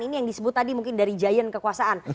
ini yang disebut tadi mungkin dari giant kekuasaan